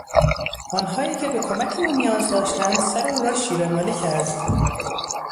آنهایی که به کمک او نیاز داشتند سر او را شیرهمالی کردند.